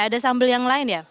ada sambal yang lain ya